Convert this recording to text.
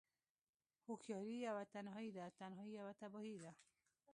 هوښياری يوه تنهايی ده، تنهايی يوه تباهی ده